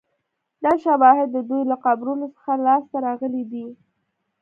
دا شواهد د دوی له قبرونو څخه لاسته راغلي دي